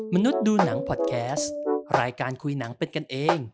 มนุษย์ดูหนังพอดแคสต์รายการคุยหนังเป็นกันเอง